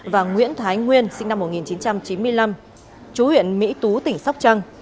và nguyễn thái nguyên sinh năm một nghìn chín trăm chín mươi năm chú huyện mỹ tú tỉnh sóc trăng